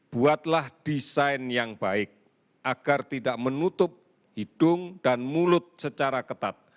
buatlah desain yang baik agar tidak menutup hidung dan mulut secara ketat